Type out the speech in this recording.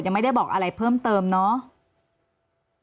ไม่ได้บอกอะไรเพิ่มเติมเนาะ